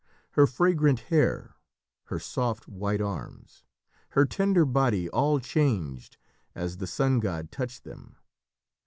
Her fragrant hair, her soft white arms, her tender body all changed as the sun god touched them.